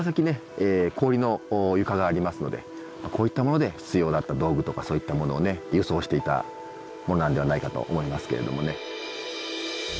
氷の床がありますのでこういったもので必要だった道具とかそういったものを輸送していたものなのではないかと思いますけれどもね。